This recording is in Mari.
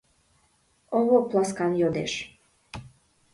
— Овоп ласкан йодеш.